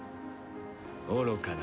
愚かな。